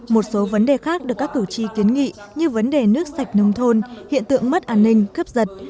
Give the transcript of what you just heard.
một số vấn đề khác được các cử tri kiến nghị như vấn đề nước sạch nông thôn hiện tượng mất an ninh cướp giật